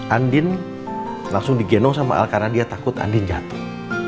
andin langsung digendong sama al karena dia takut andin jatuh